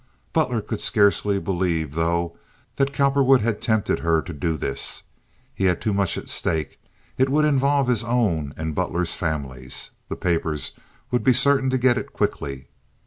Butler could scarcely believe, though, that Cowperwood had tempted her to do this. He had too much at stake; it would involve his own and Butler's families. The papers would be certain to get it quickly.